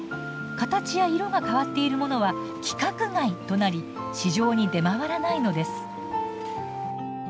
形や色が変わっているものは「規格外」となり市場に出回らないのです。